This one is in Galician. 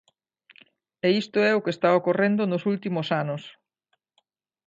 E isto é o que está ocorrendo nos últimos anos.